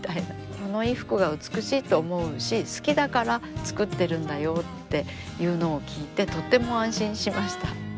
「この衣服が美しいって思うし好きだから作ってるんだよ」っていうのを聞いてとっても安心しました。